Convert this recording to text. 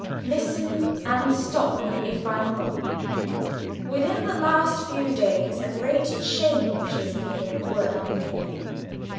"Listen, and stop me if I'm wrong. Within the last few days a great change has been at work within you.